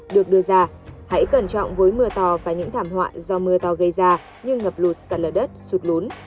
được đưa ra hãy cẩn trọng với mưa to và những thảm họa do mưa to gây ra như ngập lụt sạt lở đất sụt lún